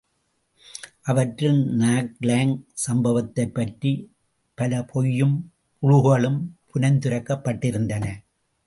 அவற்றில் நாக்லாங் சம்பவத்தைப் பற்றிப் பலபொய்யும் புளுகுகளும் புனைந்துரைக்கப்பட்டிருந்தன.